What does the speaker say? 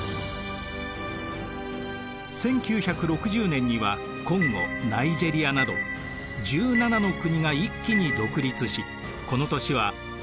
１９６０年にはコンゴナイジェリアなど１７の国が一気に独立しこの年はアフリカの年と呼ばれるようになりました。